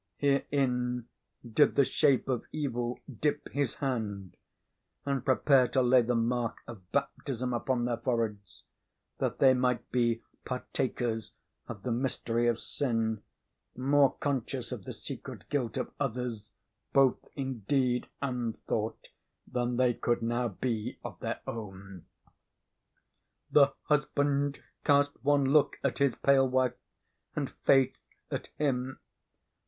Herein did the shape of evil dip his hand and prepare to lay the mark of baptism upon their foreheads, that they might be partakers of the mystery of sin, more conscious of the secret guilt of others, both in deed and thought, than they could now be of their own. The husband cast one look at his pale wife, and Faith at him.